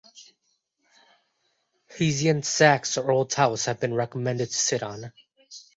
Hessian sacks or old towels have been recommended to sit on.